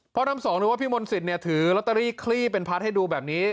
พ่อทำสองรู้ว่าพี่มนต์สินเนี่ยถือลอตเตอรี่ขรีเป็นพัสให้ดูแบบนี้